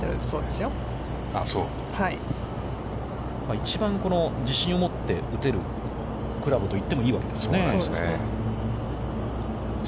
一番、自信を持って打てるクラブと言ってもいいわけですね。